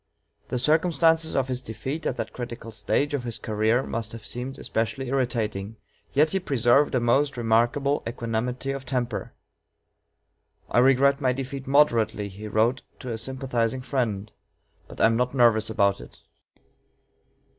The circumstances of his defeat at that critical stage of his career must have seemed especially irritating, yet he preserved a most remarkable equanimity of temper. "I regret my defeat moderately," he wrote to a sympathizing friend, "but I am not nervous about it."